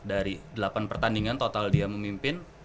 dari delapan pertandingan total dia memimpin